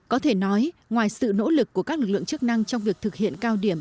có thể nói ngoài sự nỗ lực của các lực lượng chức năng trong việc thực hiện cao điểm